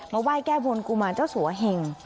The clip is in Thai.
ไหว้แก้บนกุมารเจ้าสัวเหง